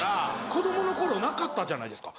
子供の頃なかったじゃないですか。